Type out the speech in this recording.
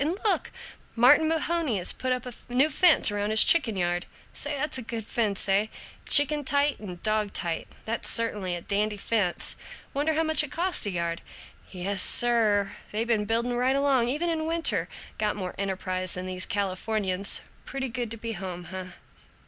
And look! Martin Mahoney has put up a new fence around his chicken yard. Say, that's a good fence, eh? Chicken tight and dog tight. That's certainly a dandy fence. Wonder how much it cost a yard? Yes, sir, they been building right along, even in winter. Got more enterprise than these Californians. Pretty good to be home, eh?"